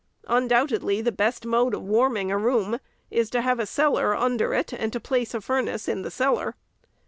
Undoubtedly, the best mode of warming a room is to have a cellar under it, and to place a furnace in the cellar.